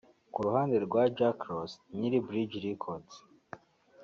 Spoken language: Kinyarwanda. Ku ruhande rwa Jackross nyiri Bridge Records